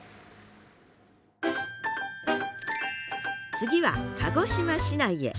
次は鹿児島市内へ。